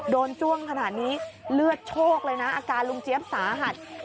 โดนจ้วงขนาดนี้เลือดโชคเลยนะอาการลุงเจ๊บสะอาด